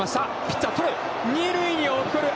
ピッチャー捕る。